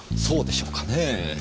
そうでしょうかねぇ。